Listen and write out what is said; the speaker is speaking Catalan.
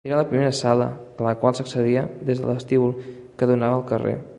Era la primera sala, a la qual s'accedia des del vestíbul, que donava al carrer.